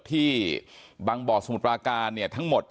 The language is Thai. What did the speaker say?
ที่บางบ่อสมุตรประการทั้งหมด